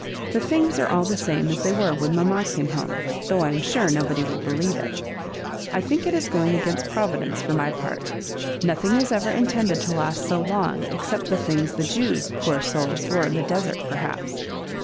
The things are all the same as they were when mamma came home, though I am sure, nobody would believe it I think it is going against Providence, for my part Nothing was ever intended^ to last so long, except the thuigs the Jews, poor souls 1 wore in the desert, perhaps.